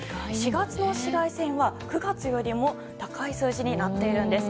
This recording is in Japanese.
４月の紫外線は９月よりも高い数字になっているんです。